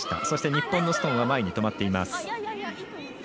そして、日本のストーンは前に止まっています。